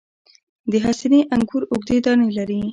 د حسیني انګور اوږدې دانې لري.